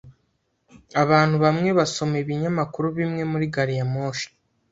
Abantu bamwe basoma ibinyamakuru bimwe muri gari ya moshi.